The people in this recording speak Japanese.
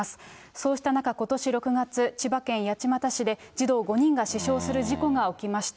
そうした中、ことし６月、千葉県八街市で児童５人が死傷する事故が起きました。